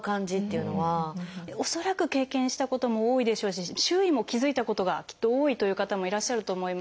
恐らく経験したことも多いでしょうし周囲も気付いたことがきっと多いという方もいらっしゃると思います。